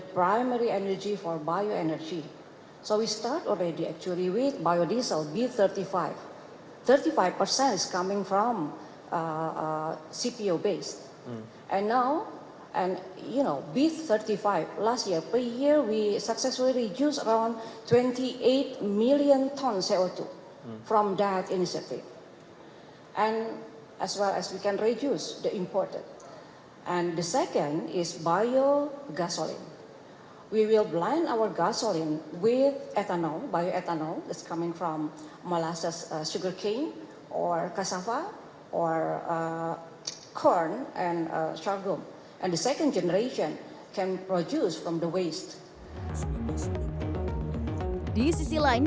pertamina menjelaskan upayanya mencapai energi bersih penting dilakukan pertamina harus memastikan ketahanan energi nasional menjadi prioritas